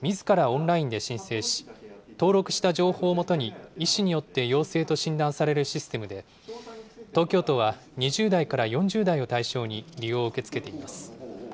オンラインで申請し、登録した情報を基に医師によって陽性と診断されるシステムで、東京都は、２０代から４０代を対象に利用を受け付けています。